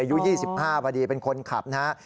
อายุ๒๕พอดีเป็นคนขับนะครับ